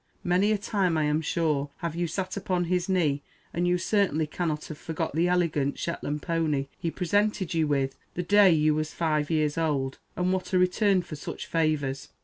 Many a time, I am sure, have you sat upon his knee, and you certainly cannot have forgot the elegant Shetland pony he presented you with the day you was five years old! And what a return for such favours!